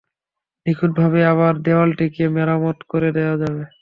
নিখুঁতভাবেই আবার দেয়ালটিকে মেরামত করে দেয়া যাবে।